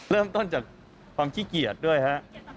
เริ่มต้นจากความขี้เกียจด้วยฮะ